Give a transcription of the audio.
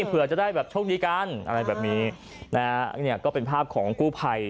เผื่อจะได้แบบโชคดีกันอะไรแบบนี้นะฮะเนี่ยก็เป็นภาพของกู้ภัย